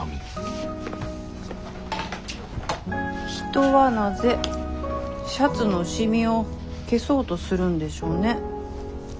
人はなぜシャツの染みを消そうとするんでしょうね。